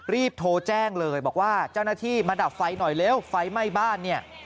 รีบโทรแจ้งเลยบอกว่าเจ้าหน้าที่มาดับไฟหน่อยเร็วไฟไหม้บ้านเนี่ย